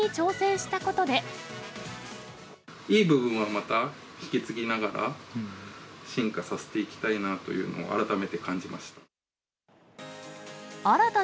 いい部分はまた引き継ぎながら、進化させていきたいなというのを改めて感じました。